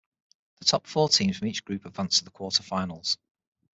The top four teams from each group advanced to the quarter-finals.